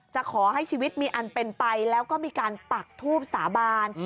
จะขอให้ชีวิตมีอันเป็นไปแล้วก็มีการปักทูบสาบาน